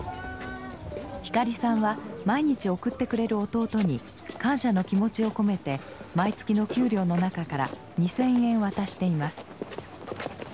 光さんは毎日送ってくれる弟に感謝の気持ちを込めて毎月の給料の中から２，０００円渡しています。